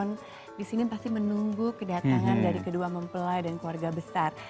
yang disini pasti menunggu kedatangan dari kedua mempelai dan keluarga besar